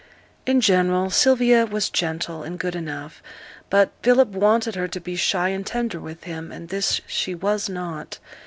In general, Sylvia was gentle and good enough; but Philip wanted her to be shy and tender with him, and this she was not.